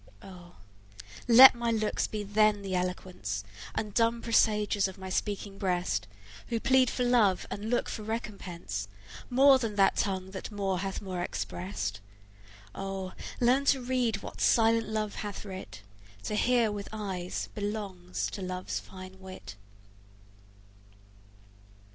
O! let my looks be then the eloquence And dumb presagers of my speaking breast, Who plead for love, and look for recompense, More than that tongue that more hath more express'd. O! learn to read what silent love hath writ: To hear with eyes belongs to love's fine wit.